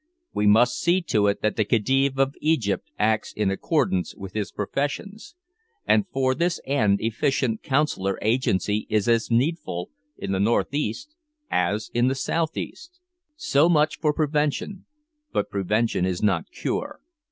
We must see to it that the Khedive of Egypt acts in accordance with his professions, and for this end efficient consular agency is as needful in the north east as in the south east. So much for prevention, but prevention is not cure.